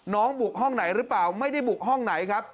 บุกห้องไหนหรือเปล่าไม่ได้บุกห้องไหนครับ